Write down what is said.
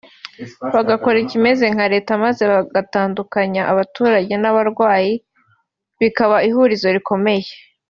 bagakora ikimeze nka Leta maze gutandukanya abaturage n’abarwanyi bikaba ihurizo rikomeye